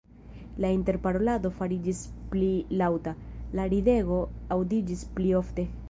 La interparolado fariĝis pli laŭta, la ridego aŭdiĝis pli ofte.